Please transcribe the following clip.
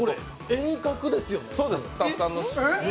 遠隔ですよ！？